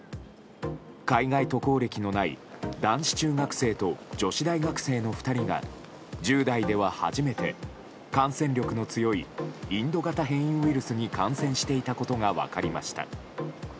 海外渡航歴のない男子中学生と女子大学生の２人が１０代では初めて感染力の強いインド型変異ウイルスに感染していたことが分かりました。